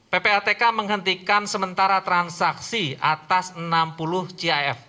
ppatk menghentikan sementara transaksi atas enam puluh gif